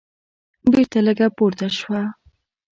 بېرته لږه پورته شوه.